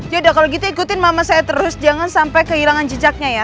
yaudah kalau gitu ikutin mama saya terus jangan sampai kehilangan jejaknya ya